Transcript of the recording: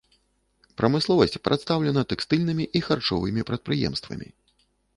Прамысловасць прадстаўлена тэкстыльнымі і харчовымі прадпрыемствамі.